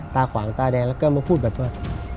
ขวางตาแดงแล้วก็มาพูดแบบว่า